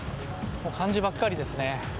漢字ばっかりですね。